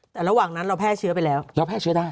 แต่ระหว่างนั้นเราแพร่เชื้อไปแล้วเราแพร่เชื้อได้